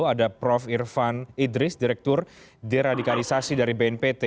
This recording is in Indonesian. ada prof irfan idris direktur deradikalisasi dari bnpt